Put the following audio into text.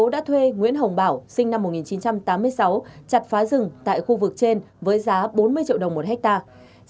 đã thuê nguyễn hồng bảo sinh năm một nghìn chín trăm tám mươi sáu chặt phá rừng tại khu vực trên với giá bốn mươi triệu đồng một hectare